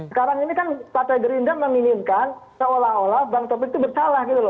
sekarang ini kan partai gerindra memimpinkan seolah olah bang taufik itu bersalah